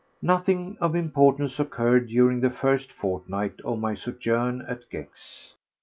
Nothing of importance occurred during the first fortnight of my sojourn at Gex.